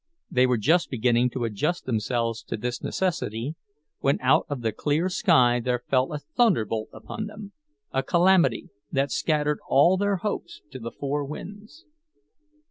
They were just beginning to adjust themselves to this necessity, when out of the clear sky there fell a thunderbolt upon them—a calamity that scattered all their hopes to the four winds.